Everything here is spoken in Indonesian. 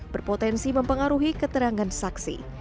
berpotensi mempengaruhi keterangan saksi